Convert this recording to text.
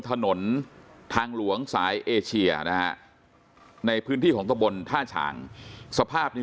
ถนนทางหลวงสายเอเชียนะฮะในพื้นที่ของตะบนท่าฉางสภาพนี้